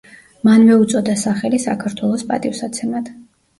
მანვე უწოდა სახელი საქართველოს პატივსაცემად.